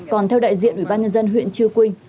còn theo đại diện ủy ban nhân dân huyện chư quynh